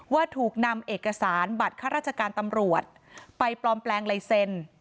ว่าถูกนำเอกสารบัตรข้าราชการตำรวจไปปลอมแปลงลายเซ็น